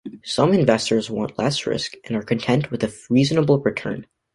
Some investors want less risk and are content with a reasonable return.